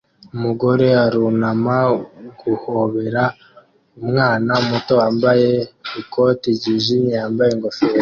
Umugore arunama guhobera umwana muto wambaye ikoti ryijimye yambaye ingofero